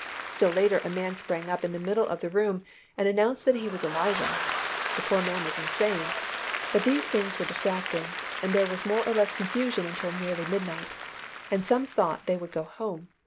Still later a man sprang up in the middle of the room and announced that he was Elijah. The poor man was insane. But these things were distracting, and there was more or less of confusion until nearly midnight, and some thought they would go home.